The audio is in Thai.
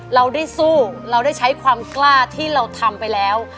เราได้สู้เราได้ใช้ความกล้าที่เราทำไปแล้ว